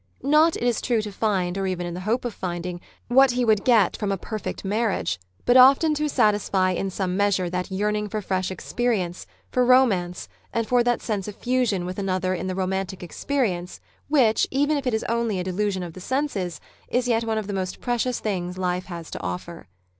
Not, it is true, to find, or even in the hope of finding, what he would get from a perfect marriage; but often to satisfy in some measure that yearning for fresh experience, for romance, and for that sense of fusion with another in the romantic experience which, even if it is only a delusion of the senses, is yet one of the most precious things life has to offer.